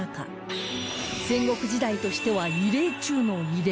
戦国時代としては異例中の異例！